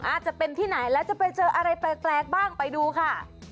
อาจจะเป็นที่ไหนแล้วจะไปเจออะไรแปลกบ้างไปดูค่ะ